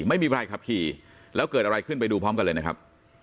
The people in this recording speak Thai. ไม่มีใครขับขี่แล้วเกิดอะไรขึ้นไปดูพร้อมกันเลยนะครับ